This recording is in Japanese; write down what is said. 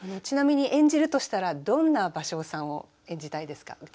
ちなみに演じるとしたらどんな芭蕉さんを演じたいですか？